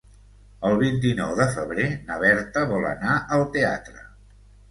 El vint-i-nou de febrer na Berta vol anar al teatre.